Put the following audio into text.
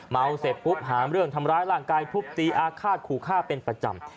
เมาเสร็จปุ๊บหาเรื่องทำร้ายร่างกายทุบตีอาฆาตขู่ฆ่าเป็นประจำ